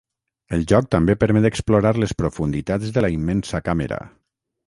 El joc també permet explorar les profunditats de la immensa càmera.